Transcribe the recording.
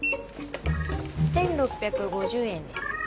１，６５０円です。